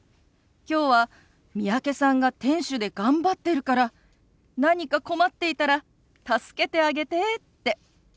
「きょうは三宅さんが店主で頑張ってるから何か困っていたら助けてあげて」って。